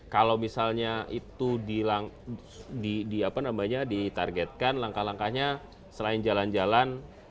kalau misalnya itu di apa namanya ditargetkan langkah langkahnya selain jalan jalan